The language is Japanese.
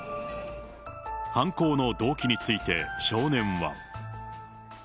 犯行の動機について少年は。